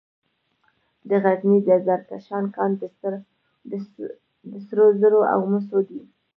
د غزني د زرکشان کان د سرو زرو او مسو دی.